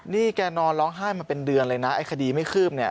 นี่แกนอนร้องไห้มาเป็นเดือนเลยนะไอ้คดีไม่คืบเนี่ย